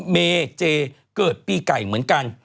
เมเจเกิดปีไก่เหมือนกัน